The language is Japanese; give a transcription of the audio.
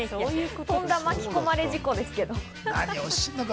とんだ巻き込まれ事故ですけど。